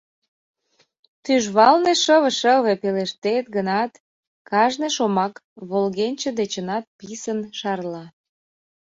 Тӱжвалне шыве-шыве пелештет гынат, кажне шомак волгенче дечынат писын шарла.